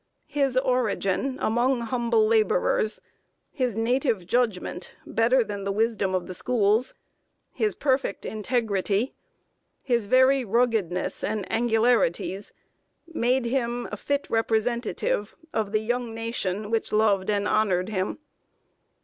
His origin among humble laborers, his native judgment, better than the wisdom of the schools, his perfect integrity, his very ruggedness and angularities, made him fit representative of the young Nation which loved and honored him.